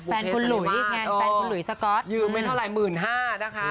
แฟนคุณหลุยไงแฟนคุณหลุยสก๊อตยืมไม่เท่าไร๑๕๐๐นะคะ